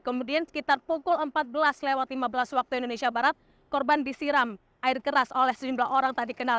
kemudian sekitar pukul empat belas lewat lima belas waktu indonesia barat korban disiram air keras oleh sejumlah orang tak dikenal